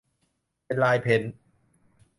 เป็นลายเพนต์